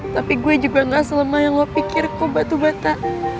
tapi gue juga gak selama yang lo pikir kok batu bata